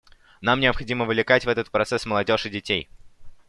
Нам необходимо вовлекать в этот процесс молодежь и детей.